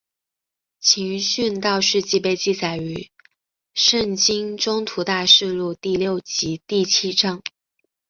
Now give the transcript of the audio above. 其殉道事迹被记载于圣经宗徒大事录第六及第七章。